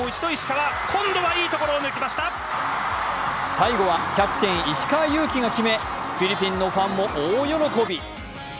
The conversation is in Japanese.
最後はキャプテン・石川祐希が決めフィリピンのファンも大喜び。